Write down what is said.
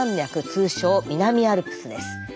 通称南アルプスです。